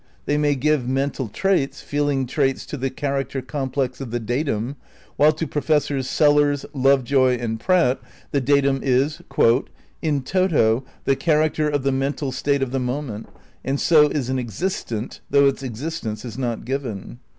They may "give" mental traits, feeling traits to the char acter complex of the datum. While to Professors Sel lars, Love joy and Pratt the datum is "in toto the character of the mental state of the moment, and so is an existent, though its existence is not 'given'."